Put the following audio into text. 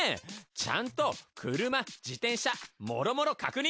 ちゃんとクルマ自転車もろもろ確認！